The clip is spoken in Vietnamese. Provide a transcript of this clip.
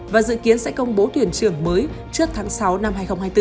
và dự kiến sẽ công bố tuyển trưởng mới trước tháng sáu năm hai nghìn hai mươi bốn